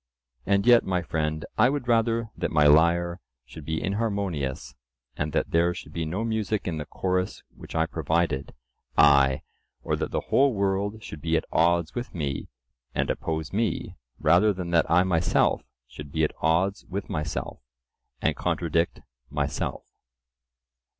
And yet, my friend, I would rather that my lyre should be inharmonious, and that there should be no music in the chorus which I provided; aye, or that the whole world should be at odds with me, and oppose me, rather than that I myself should be at odds with myself, and contradict myself.